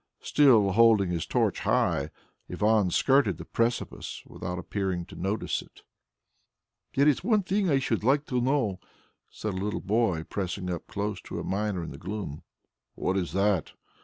Still holding his torch high, Ivan skirted the precipice without appearing to notice it. "There is one thing I should like to know," said a little boy, pressing up close to a miner in the gloom. "What is that?"